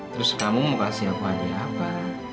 terus kamu mau kasih aku hadiah apa